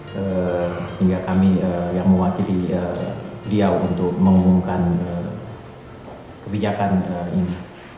sehingga kami yang mewakili beliau untuk mengumumkan kebijakan ini